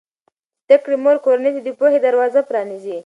د زده کړې مور کورنۍ ته د پوهې دروازه پرانیزي.